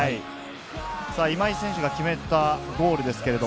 今井選手が決めたゴール